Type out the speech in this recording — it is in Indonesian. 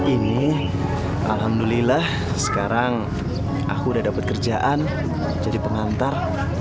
ini alhamdulillah sekarang aku udah dapat kerjaan jadi pengantar